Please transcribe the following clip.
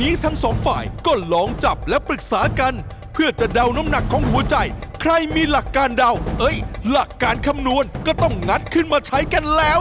อีกฝ่ายหนึ่งใช้ขาโต๊ะครับ